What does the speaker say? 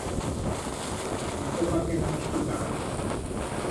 Cuánto fa que no mos trucam?